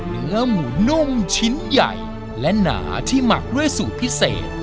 เนื้อหมูนุ่มชิ้นใหญ่และหนาที่หมักด้วยสูตรพิเศษ